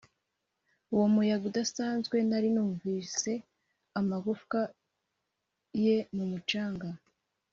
uwo muyaga udasanzwe. nari numvise amagufwa ye mumucanga